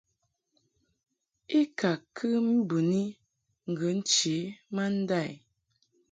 I ka kɨ mbɨni ŋgə nche ma nda i.